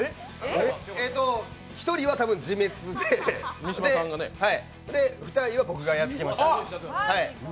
１人は多分自滅で２人は僕がやっつけました。